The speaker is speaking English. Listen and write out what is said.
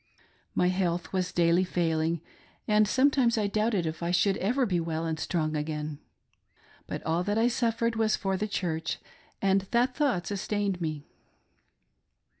My health was daily failing, and sometimes I doubted if I should ever be well and strong again. But all that I suffered was for the Church, and that thought sustained me.